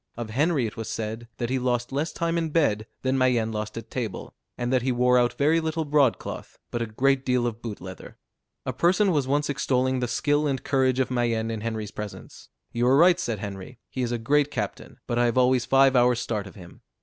Of Henry it was said, that he lost less time in bed than Mayenne lost at table; and that he wore out very little broad cloth, but a great deal of boot leather. A person was once extolling the skill and courage of Mayenne in Henry's presence. "You are right," said Henry, "he is a great captain, but I have always five hours' start of him."